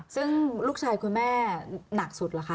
ซึ่งลูกชายคุณแม่หนักสุดเหรอคะ